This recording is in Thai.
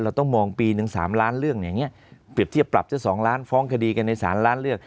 เราต้องมองปีนึง๓ล้านเรื่องแบบเนี้ยเปรียบที่เราปรับแจะ๒ล้านฟ้องคดีกันใน๓ล้านเรื่อง